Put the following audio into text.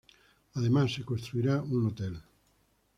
Además, se construirá un hotel.